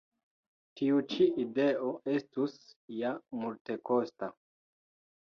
Tiu ĉi ideo estus ja multekosta.